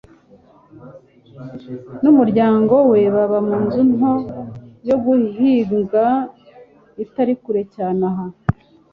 n'umuryango we baba mu nzu nto yo guhinga itari kure cyane aha.